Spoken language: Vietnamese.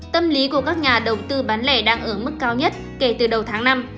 tâm lý của các nhà đầu tư bán lẻ đang ở mức cao nhất kể từ đầu tháng năm